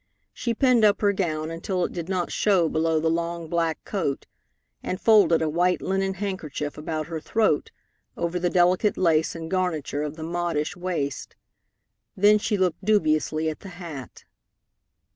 She pinned up her gown until it did not show below the long black coat, and folded a white linen handkerchief about her throat over the delicate lace and garniture of the modish waist. Then she looked dubiously at the hat.